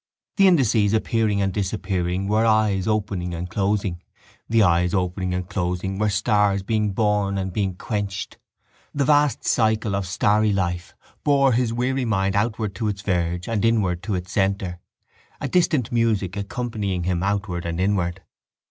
The indices appearing and disappearing were eyes opening and closing; the eyes opening and closing were stars being born and being quenched. The vast cycle of starry life bore his weary mind outward to its verge and inward to its centre, a distant music accompanying him outward and inward.